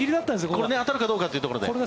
これ当たるかどうかというところで。